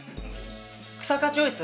日下チョイス？